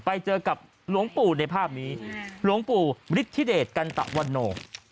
ไปเจอกับหลวงปู่ในภาพนี้หลวงปู่ฤทธิเดชกันตะวันโน